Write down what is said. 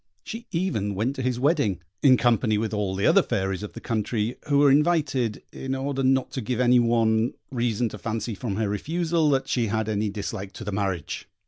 She even went to his wedding, in company with all the other fairies of the country, who were invited, in order not to give any one reason to fancy from her refusal that she had any dislike to the marriage.